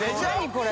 これ。